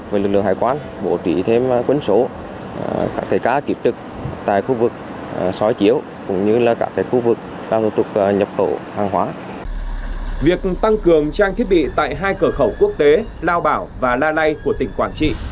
việc tăng cường trang thiết bị tại hai cửa khẩu quốc tế lao bảo và na lây của tỉnh quảng trị